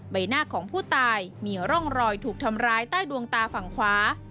ใบหน้าของผู้ตายมีร่องรอยถูกทำร้ายใต้ดวงตาฝั่งขวา